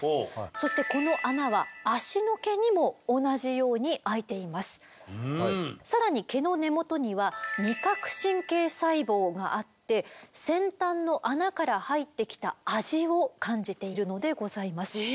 そしてこの穴は更に毛の根元には味覚神経細胞があって先端の穴から入ってきた味を感じているのでございます。